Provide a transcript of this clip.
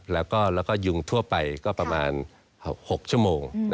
แล้วก็ยุงทั่วไปก็ประมาณ๖ชั่วโมง